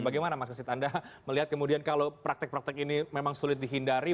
bagaimana mas kecit anda melihat kemudian kalau praktik praktik ini memang sulit dihindari